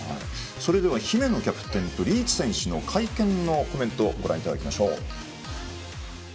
それでは姫野キャプテンとリーチ選手の会見のコメントをご覧いただきましょう。